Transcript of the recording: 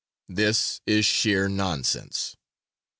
This is sheer nonsense.